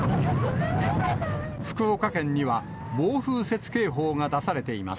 福岡県には暴風雪警報が出されています。